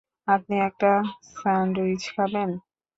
আপনি একটা স্যান্ডউইচ খাবেন?